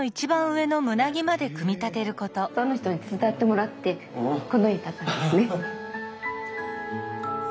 たくさんの人に手伝ってもらってこの家建ったんですね。